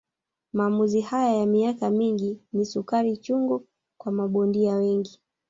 Maamuzi haya ya miaka mingi ni sukari chungu kwa mabondia wengi